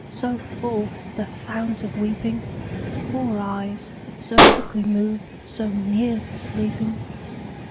So full, the fount of weeping? Poor eyes, so quickly moved, so near to sleeping?